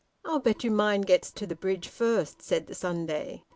"I'll bet you mine gets to the bridge first," said the Sunday.